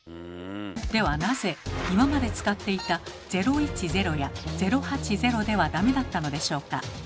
ではなぜ今まで使っていた「０１０」や「０８０」ではダメだったのでしょうか。